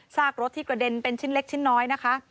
กรถที่กระเด็นเป็นชิ้นเล็กชิ้นน้อยนะคะ